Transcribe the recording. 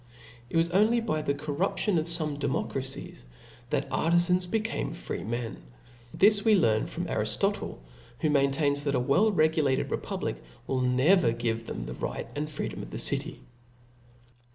It was only by the corruption of fome democracies that aTtifans became freemen. This we learn from (OPolit. Ariftotle ('), who maintains, that a well regu book 3. lated republic will never give them the right and ^ »*P 4 freedom of the city f